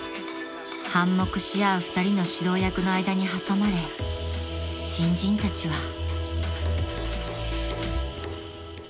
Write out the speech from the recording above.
［反目し合う２人の指導役の間に挟まれ新人たちは］